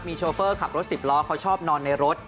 โชเฟอร์ขับรถสิบล้อเขาชอบนอนในรถ